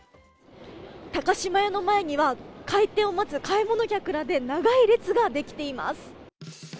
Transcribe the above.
高島屋の前には開店を待つ買い物客で長い列ができています。